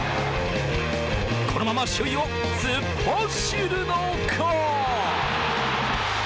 このまま首位を突っ走るのか。